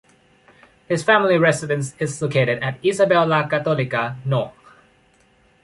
His family residence is located at Isabel la Católica No.